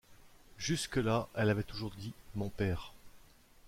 Jusque-là elle avait toujours dit mon père.